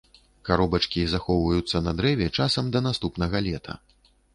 Каробачкі захоўваюцца на дрэве часам да наступнага лета.